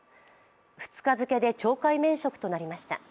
２日付で懲戒免職となりました。